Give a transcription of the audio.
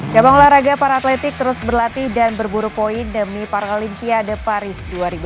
cabang olahraga para atletik terus berlatih dan berburu poin demi paralimpiade paris dua ribu dua puluh